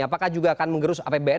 apakah juga akan mengerus apbn